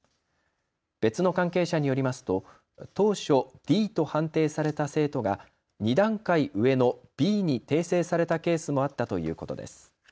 別の関係者によりますと当初、Ｄと判定された生徒が２段階上のＢに訂正されたケースもあったということです。